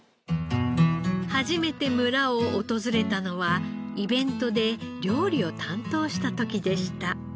初めて村を訪れたのはイベントで料理を担当した時でした。